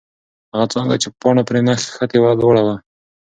هغه څانګه چې پاڼه پرې نښتې وه، لوړه وه.